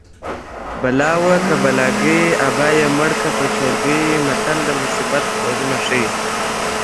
بلا وه که بلاګۍ ابا یې مړکه په چوړکۍ متل د مصیبت ډولونه ښيي